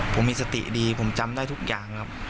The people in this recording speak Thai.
ผมมีสติดีผมจำได้ทุกอย่างครับ